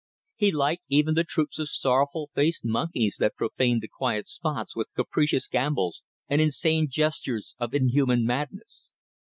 He liked even the troops of sorrowful faced monkeys that profaned the quiet spots with capricious gambols and insane gestures of inhuman madness.